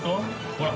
ほら。